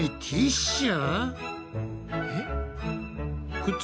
えっ？